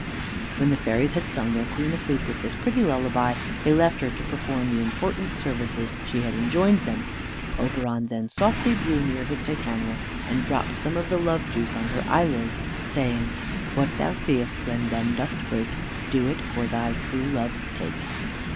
When the fairies had sung their queen asleep with this pretty lullaby, they left her to perform the important services she had enjoined them. Oberon then softly drew near his Titania, and dropped some of the love juice on her eyelids, saying, "What thou seest when them dost wake, Do it for thy true love take."